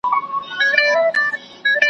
زما لمسیو کړوسیو ته پاتیږي ,